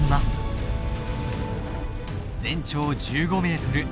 全長１５メートル。